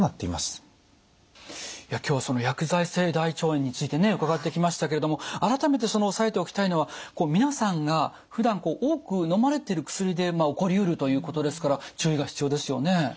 いや今日はその薬剤性大腸炎についてね伺ってきましたけれども改めて押さえておきたいのは皆さんがふだん多くのまれてる薬で起こりうるということですから注意が必要ですよね。